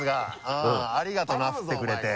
ありがとうな振ってくれて！